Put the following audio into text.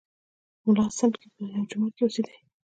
ملا سنډکی په یوه جومات کې اوسېدی.